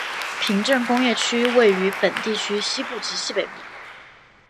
平镇工业区位于本地区西部及西北部。